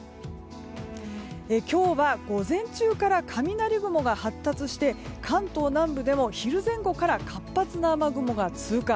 今日は午前中から雷雲が発達して関東南部でも昼前後から活発な雨雲が通過。